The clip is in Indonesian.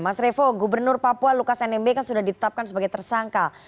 mas revo gubernur papua lukas nmb kan sudah ditetapkan sebagai tersangka